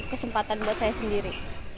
kesempatan buat saya sendiri